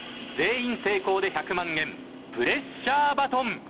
全員成功で１００万円プレッシャーバトン。